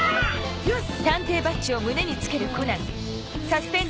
よし！